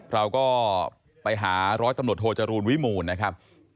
เราก็ไปหาร้อยตำรวจโทจรูลวิมูลนะครับ